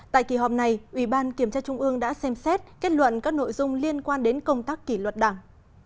tại kỳ họp này ủy ban kiểm tra trung ương đã xem xét kết luận các nội dung liên quan đến công tác kỷ luật đảng